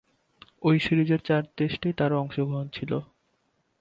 ঐ সিরিজের চার টেস্টেই তার অংশগ্রহণ ছিল।